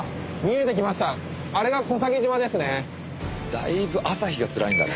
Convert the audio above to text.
だいぶ朝日がつらいんだね。